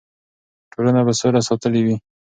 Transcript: ټولنه به سوله ساتلې وي.